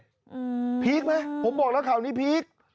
อืมอืมพีคมั้ยผมบอกแล้วเขาอันนี้พีค